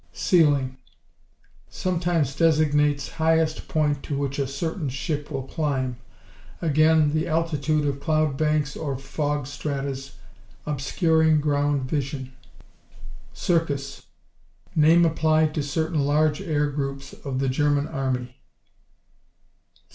Ceiling Sometimes designates highest point to which a certain ship will climb; again, the altitude of cloud banks or fog stratas obscuring ground vision. Circus Name applied to certain large air groups of the German army.